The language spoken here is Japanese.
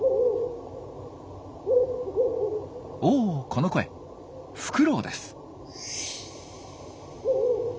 おおっこの声フクロウです。